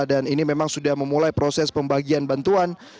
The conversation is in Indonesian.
dan ini memang sudah memulai proses pembagian bantuan